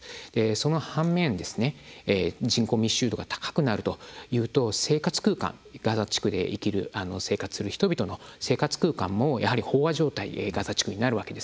その反面人口密集度が高くなるというと生活空間ガザ地区で生きる生活する人々の生活空間もやはり飽和状態ガザ地区になるわけです。